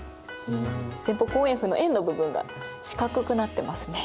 前方後円墳の円の部分が四角くなってますね。